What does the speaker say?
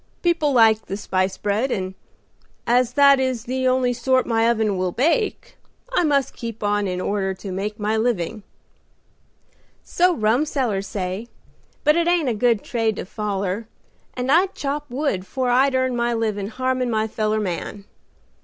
People like the 'spice bread,' and as that is the only sort my oven will bake, I must keep on in order to make my living." "So rumsellers say, but it ain't a good trade to foller, and I'd chop wood 'fore I'd earn my livin' harmin' my feller man.